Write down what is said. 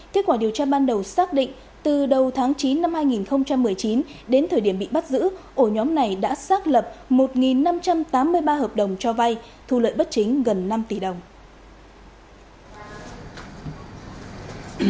kết quả điều tra ban đầu xác định từ đầu tháng chín năm hai nghìn một mươi chín đến thời điểm bị bắt giữ ổ nhóm này đã xác lập một năm trăm tám mươi ba hợp đồng cho vay thu lợi bất chính gần năm tỷ đồng